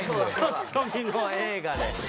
ちょっと見の映画で。